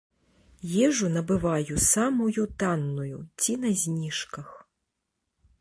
Ежу набываю самую танную ці на зніжках.